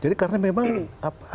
jadi karena memang hal itu